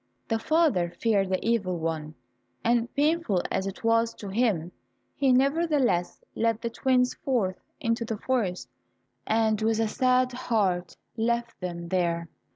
The father feared the Evil One, and painful as it was to him, he nevertheless led the twins forth into the forest, and with a sad heart left them there.